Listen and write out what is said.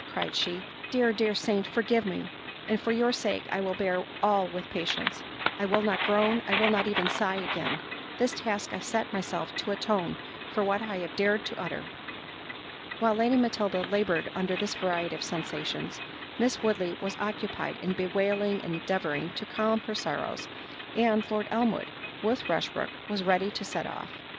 cried she; "Dear, dear saint, forgive me; and for your sake I will bear all with patience—I will not groan, I will not even sigh again—this task I set myself to atone for what I have dared to utter." While Lady Matilda laboured under this variety of sensations, Miss Woodley was occupied in bewailing and endeavouring to calm her sorrows—and Lord Elmwood, with Rushbrook, was ready to set off.